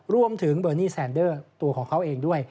รวมถึงเบอร์นี่แซนเดอร์ตัวของเขาเองด้วย